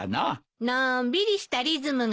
のんびりしたリズムがね。